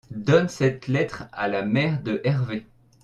donne cette lettre à la mère de Herve.